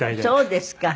そうですか。